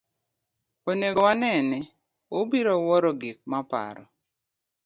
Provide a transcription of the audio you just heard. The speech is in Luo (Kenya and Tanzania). Onego wanene, ubiro wuoro gik maparo.